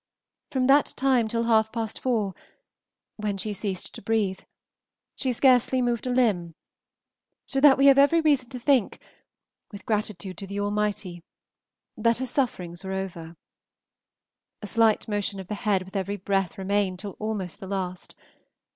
From that time till half past four, when she ceased to breathe, she scarcely moved a limb, so that we have every reason to think, with gratitude to the Almighty, that her sufferings were over. A slight motion of the head with every breath remained till almost the last.